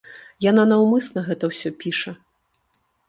Яна наўмысна гэта ўсё піша.